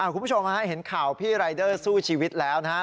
คุณผู้ชมเห็นข่าวพี่รายเดอร์สู้ชีวิตแล้วนะฮะ